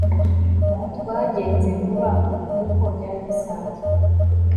twagenze vuba kuruta uko byari bisanzwe